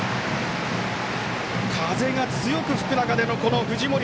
風が強く吹く中で、藤森。